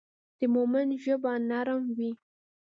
د مؤمن ژبه نرم وي.